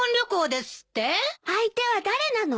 相手は誰なの？